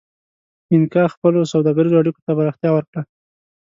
اینکا خپلو سوداګریزو اړیکو ته پراختیا ورکړه.